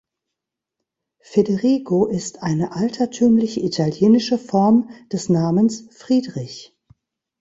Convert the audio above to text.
Federigo ist eine altertümliche italienische Form des Namens Friedrich.